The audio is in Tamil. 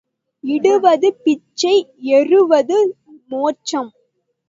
இடுவது பிச்சை ஏறுவது மோட்சம்.